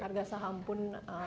harga saham pun anjlok